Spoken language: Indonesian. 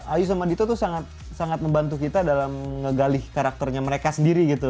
ayu sama dito tuh sangat membantu kita dalam ngegali karakternya mereka sendiri gitu